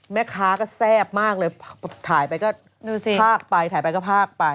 แม่ค้าก็แซ่บมากเลยถ่ายไปก็ดูสิพากไปถ่ายไปก็พากไป